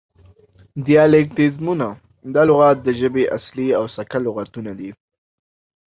دیالیکتیزمونه: دا لغات د ژبې اصلي او سکه لغتونه دي